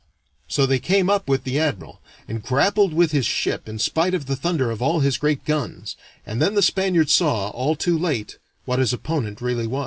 So they came up with the admiral, and grappled with his ship in spite of the thunder of all his great guns, and then the Spaniard saw, all too late, what his opponent really was.